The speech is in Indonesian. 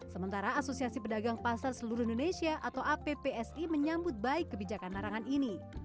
sementara asosiasi pedagang pasar seluruh indonesia atau appsi menyambut baik kebijakan larangan ini